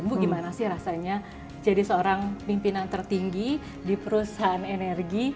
bu gimana sih rasanya jadi seorang pimpinan tertinggi di perusahaan energi